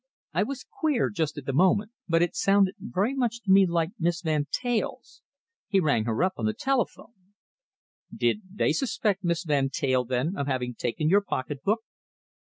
I was queer just at the moment, but it sounded very much to me like Miss Van Teyl's. He rang her up on the telephone." "Did they suspect Miss Van Teyl, then, of having taken your pocketbook?"